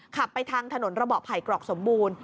ขับไปทางถนนระบอไผ่กรอกสมบูรณ์